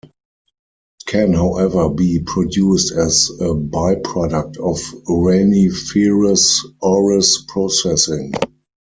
It can however be produced as a by-product of uraniferous ores processing.